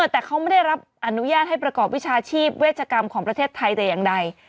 แต่เขาไม่ได้รับอนุญาตให้ประกอบวิชาชีพเวชกรรมของประเทศไทยแต่อย่างใด